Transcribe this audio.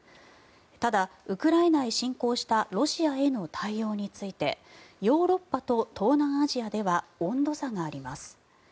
ただ、ウクライナへ侵攻したロシアへの対応についてヨーロッパと東南アジアでは温度差があります。